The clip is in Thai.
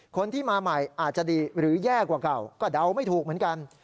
คนที่มาใหม่อาจจะดีหรือแย่กว่าเก่าก็เดาไม่ถูกเหมือนกัน